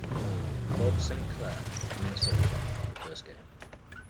Bob Saint Clair, with Minnesota, the first game.